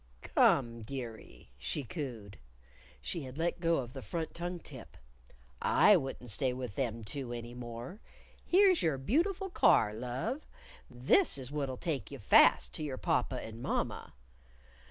"Come, dearie," she cooed. (She had let go the front tongue tip.) "I wouldn't stay with them two any more. Here's your beautiful car, love. This is what'll take you fast to your papa and mamma."